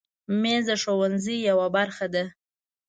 مېز د ښوونځي یوه برخه ده.